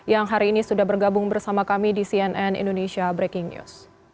yang hari ini sudah bergabung bersama kami di cnn indonesia breaking news